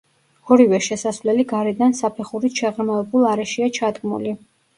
ორივე შესასვლელი გარედან საფეხურით შეღრმავებულ არეშია ჩადგმული.